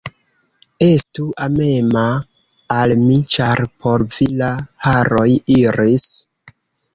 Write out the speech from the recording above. Estu amema al mi, ĉar por vi la haroj iris.